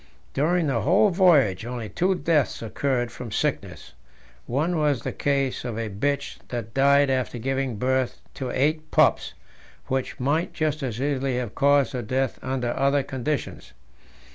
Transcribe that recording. During the whole voyage only two deaths occurred from sickness one was the case of a bitch that died after giving birth to eight pups which might just as easily have caused her death under other conditions.